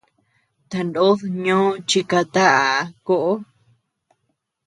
Tanod ñó chi kataʼa koʼo.